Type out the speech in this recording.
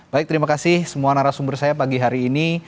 baik terima kasih semua narasumber saya pagi hari ini